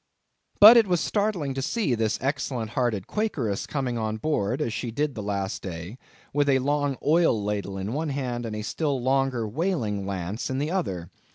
But it was startling to see this excellent hearted Quakeress coming on board, as she did the last day, with a long oil ladle in one hand, and a still longer whaling lance in the other.